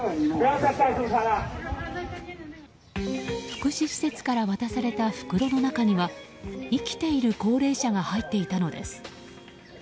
福祉施設から渡された袋の中には生きている高齢者が入っていたのです。